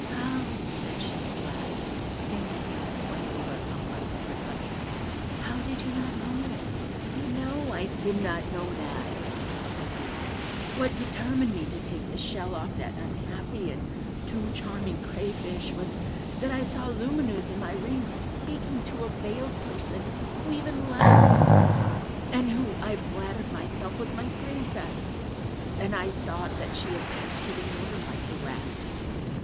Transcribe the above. "How," said she, at last, seeing that he was quite overcome by his reflections, "how, you did not know it?" "No, I did not know that," said he; "what determined me to take the shell off that unhappy and too charming crayfish was, that I saw Lumineuse in my ring speaking to a veiled person who even laughed with her, and who, I flattered myself, was my Princess; and I thought that she had passed through the mortar like the rest.